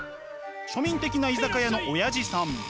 庶民的な居酒屋のオヤジさん。